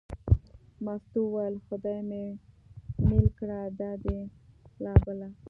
مستو وویل: خدای مې مېل کړه دا دې لا بله.